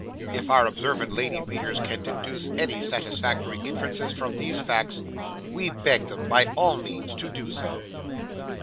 If our observant lady readers can deduce any satisfactory inferences from these facts, we beg them by all means to do so.